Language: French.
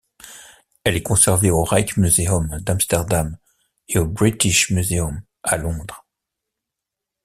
Elle est conservée au Rijksmuseum d'Amsterdam et au British Muséum à Londres.